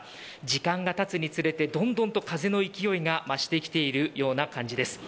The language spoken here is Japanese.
時間がたつにつれてどんどん風の勢いが増してきているような感じです。